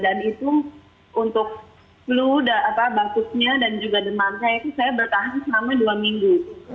dan itu untuk flu batuknya dan juga demam saya itu saya bertahan selama dua minggu